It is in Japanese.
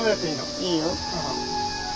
いいよ。